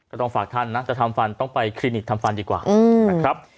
ต้องฝากท่านนะจะทำฟันต้องไปคลินิกทำฟันดีกว่านะครับ